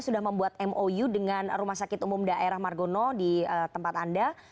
sudah membuat mou dengan rumah sakit umum daerah margono di tempat anda